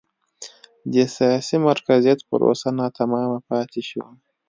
د سیاسي مرکزیت پروسه ناتمامه پاتې شوه.